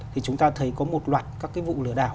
thì chúng ta thấy có một loạt các cái vụ lừa đảo